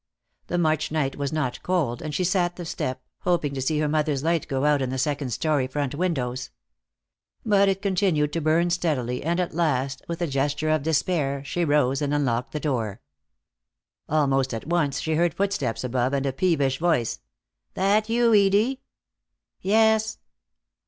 The March night was not cold, and she sat the step, hoping to see her mother's light go out in the second story front windows. But it continued to burn steadily, and at last, with a gesture of despair, she rose and unlocked the door. Almost at once she heard footsteps above, and a peevish voice. "That you, Edie?" "Yes."